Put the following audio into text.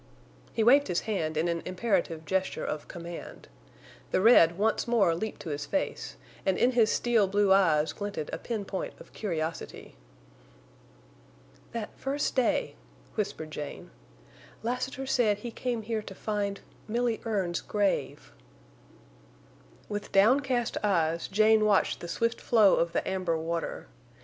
He waved his hand in an imperative gesture of command. The red once more leaped to his face, and in his steel blue eyes glinted a pin point of curiosity. "That first day," whispered Jane, "Lassiter said he came here to find—Milly Erne's grave!" With downcast eyes Jane watched the swift flow of the amber water.